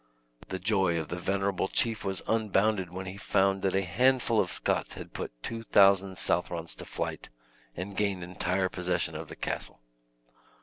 The joy of the venerable chief was unbounded, when he found that a handful of Scots had put two thousand Southrons to flight, and gained entire possession of the castle.